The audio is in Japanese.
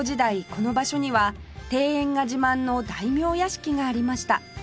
この場所には庭園が自慢の大名屋敷がありました